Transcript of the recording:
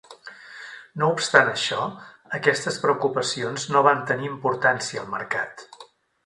No obstant això, aquestes preocupacions no van tenir importància al mercat.